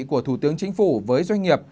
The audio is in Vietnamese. của thủ tướng chính phủ với doanh nghiệp